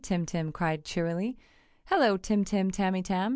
Tim Tim cried cheerily. "Hello, Tim Tim Tamytam!"